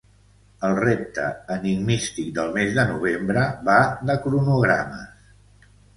El repte enigmístic del mes de novembre va de cronogrames.